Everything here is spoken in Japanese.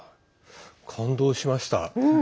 感動しました。